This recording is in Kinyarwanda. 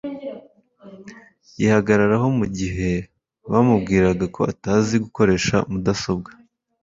Yihagararaho Mugihe bamubwiraga ko atazi gukoresha Mudasobwa